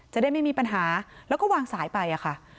จะได้ไม่มีปัญหาแล้วก็วางสายไปอะค่ะ